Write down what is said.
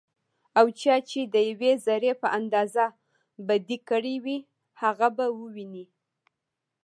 او چا چې ديوې ذرې په اندازه بدي کړي وي، هغه به وويني